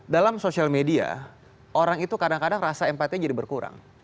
dalam sosial media orang itu kadang kadang rasa empati jadi berkurang